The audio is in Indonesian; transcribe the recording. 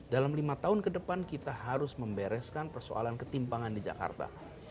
dalam lima tahun ke depan kita harus membereskan persoalan ketimpangan di jakarta